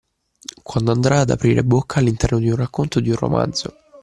Quando andrà ad aprire bocca all’interno di un racconto o di un romanzo